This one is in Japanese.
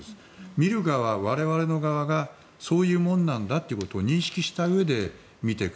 見る側、我々の側がそういうものなんだということを認識したうえで見ていく。